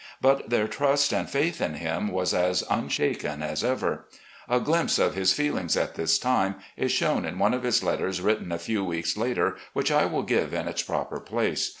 But their trust and faith in him was as unshaken as ever. A glimpse of his feelings at this time is shown in one of his letters written a few weeks later, which I will give in its proper place.